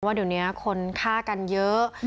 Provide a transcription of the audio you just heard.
ว่าเดี๋ยวนี้คนฆ่ากันเยอะ